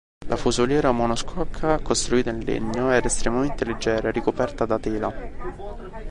La fusoliera monoscocca, costruita in legno, era estremamente leggera e ricoperta da tela.